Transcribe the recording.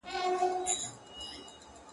تر اوسه حمزه په پښتو کې